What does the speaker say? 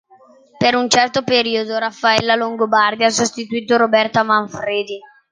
Per un certo periodo Raffaella Longobardi ha sostituito Roberta Manfredi.